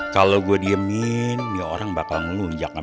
kalau gue diemin dia orang bakal ngelunjak sama gue